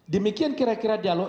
demikian kira kira dialog